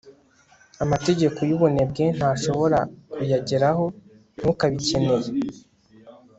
amategeko y'ubunebwe: ntashobora kuyageraho. ntukabikeneye